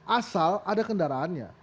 asal ada kendaraannya